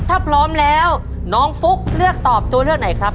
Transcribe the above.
ถ้าพร้อมแล้วน้องฟุ๊กเลือกตอบตัวเลือกไหนครับ